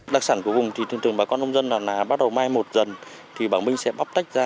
đặc sản của vùng thì thường thường bà con nông dân là bắt đầu mai một dần thì bà minh sẽ bóc tách ra